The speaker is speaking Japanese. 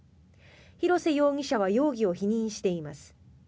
廣瀬容疑者は容疑を否認しています。